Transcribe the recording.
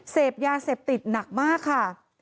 เสพยาเสพติดหนักมากค่ะ